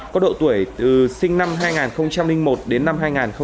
có độ tuổi sinh năm hai nghìn một đến năm hai nghìn bảy